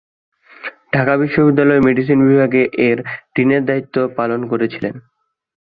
ঢাকা বিশ্ববিদ্যালয়ের মেডিসিন বিভাগে এর ডিনের দায়িত্ব পালন করেছিলেন।